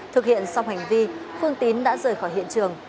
thực hiện xong hành vi phương tín đã rời khỏi hiện trường